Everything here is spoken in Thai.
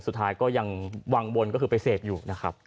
สุดท้ายก็ยังวงบนคือไปเสพอยู่